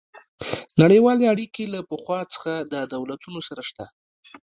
نړیوالې اړیکې له پخوا څخه د دولتونو سره شته